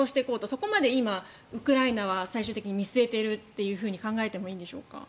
そこまで今、ウクライナは最終的に見据えていると考えてもいいんでしょうか。